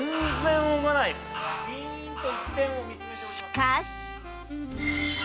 しかし